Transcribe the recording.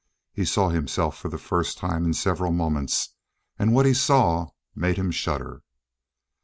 He saw himself for the first time in several moments, and what he saw made him shudder.